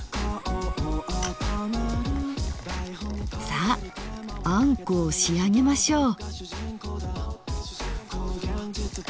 さああんこを仕上げましょう。